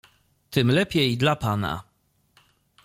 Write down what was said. "Tym lepiej dla pana."